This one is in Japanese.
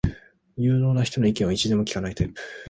有能な人の意見を意地でも聞かないタイプ